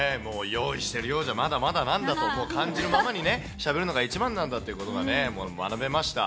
用意してるようじゃまだまだなんだと、感じるままにしゃべるのが一番なんだということがね、学べました。